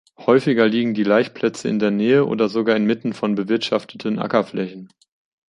Häufiger liegen die Laichplätze in der Nähe oder sogar inmitten von bewirtschafteten Ackerflächen.